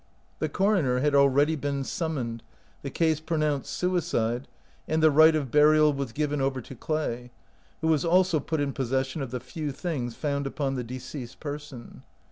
The coroner had already been summoned, the case pro nounced suicide, and the right ok burial was given over to Clay, who was also put in possession of the few things found upon the deceased's person.